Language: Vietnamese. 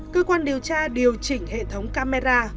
cơ quan điều tra điều chỉnh hệ thống camera